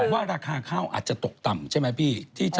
ว่าราคาข้าวอาจจะตกต่ำใช่ไหมพี่